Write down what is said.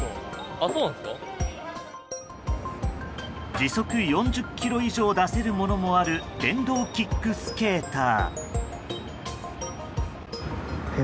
時速４０キロ以上出せるものもある電動キックスケーター。